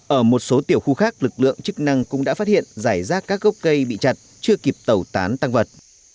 ở một số tiểu khu khác lực lượng chức năng cũng đã phát hiện giải rác các gốc cây bị chặt chưa kịp tẩu tán tăng vật